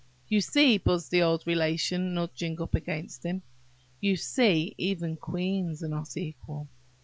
"You see," buzzed the old Relation, nudging up against him,–"You see even queens are not equal!